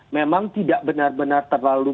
memang tidak benar benar terlalu